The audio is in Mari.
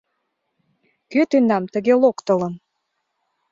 — Кӧ тендам тыге локтылын?